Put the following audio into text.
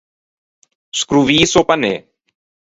Scrovîse o panê.